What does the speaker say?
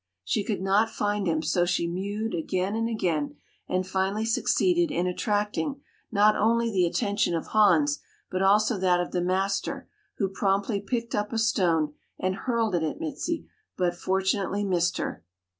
She could not find him, so she mewed again and again and finally succeeded in attracting, not only the attention of Hans but also that of the master who promptly picked up a stone and hurled it at Mizi but fortunately missed her.